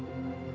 aku mau makan